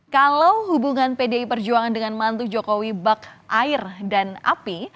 kalau hubungan pdi perjuangan dengan mantu jokowi bak air dan api